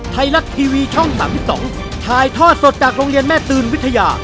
ไทยรัฐทีวีช่อง๓๒ถ่ายทอดสดจากโรงเรียนแม่ตืนวิทยา